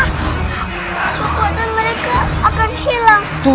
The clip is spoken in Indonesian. kekuatan mereka akan hilang